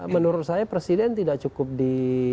menurut saya presiden tidak cukup di